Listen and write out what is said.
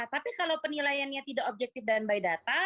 tapi kalau penilaiannya tidak objektif dan by data